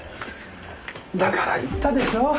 だから言ったでしょう？